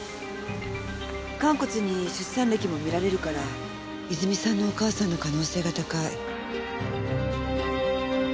寛骨に出産歴も見られるから泉さんのお母さんの可能性が高い。